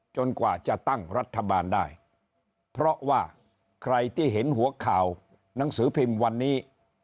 กว่าจะตั้งรัฐบาลได้เพราะว่าใครที่เห็นหัวข่าวหนังสือพิมพ์วันนี้